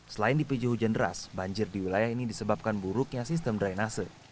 selain dipicu hujan deras banjir di wilayah ini disebabkan buruknya sistem drainase